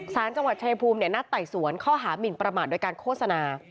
สารจังหวัดชายภูมินัดไต่สวนข้อหามินประมาทโดยการโฆษณา